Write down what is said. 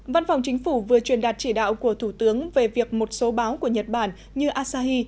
văn phòng chính phủ vừa truyền đạt chỉ đạo của thủ tướng về việc một số báo của nhật bản như asahi